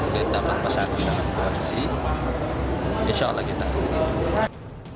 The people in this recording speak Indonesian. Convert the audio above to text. kita dapat pasang di dalam kursi insya allah kita akan berhasil